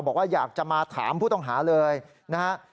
บอกว่าอยากจะมาถามผู้ต้องหาเลยนะฮะ